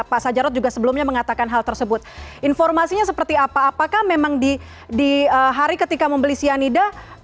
pak sajarot juga sebelumnya mengatakan hal tersebut informasinya seperti apa apakah memang di hari ketika membeli cyanida